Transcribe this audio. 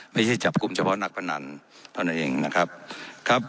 ไม่ใช่จับกลุ่มเฉพาะนักพนันเท่านั้นเองนะครับครับ